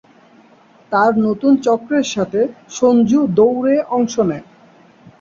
তার নতুন চক্রের সাথে, সঞ্জু দৌড়ে অংশ নেয়।